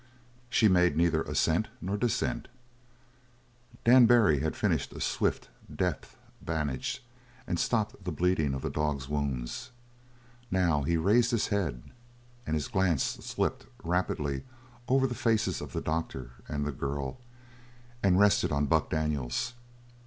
She made neither assent nor dissent. Dan Barry had finished a swift, deft bandage and stopped the bleeding of the dog's wounds. Now he raised his head and his glance slipped rapidly over the faces of the doctor and the girl and rested on Buck Daniels.